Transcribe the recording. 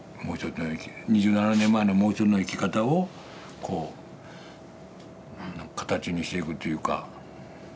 もう一つの２７年前のもう一つの生き方をこう形にしていくというか。